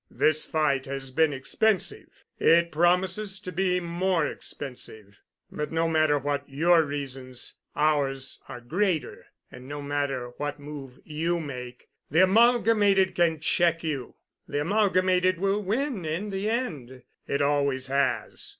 This fight has been expensive. It promises to be more expensive. But, no matter what your reasons, ours are greater, and no matter what move you make, the Amalgamated can check you. The Amalgamated will win in the end. It always has.